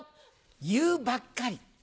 「ユうばっかり」。